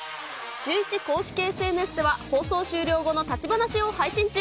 シューイチ公式ＳＮＳでは放送終了後の立ち話を配信中。